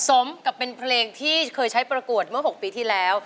สมกับเป็นเพลงที่เคยใช้ประกวดเมื่อ๖ปีที่แล้ว